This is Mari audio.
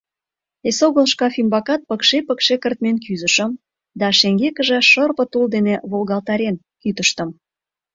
Эсогыл шкаф ӱмбакат пыкше-пыкше кыртмен кӱзышым да шеҥгекыже шырпе тул дене волгалтарен кӱтыштым.